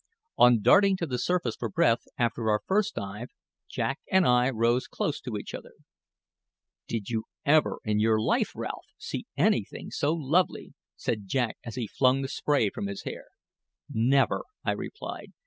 On darting to the surface for breath after our first dive, Jack and I rose close to each other. "Did you ever in your life, Ralph, see anything so lovely?" said Jack as he flung the spray from his hair. "Never," I replied.